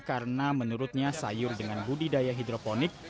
karena menurutnya sayur dengan budidaya hidroponik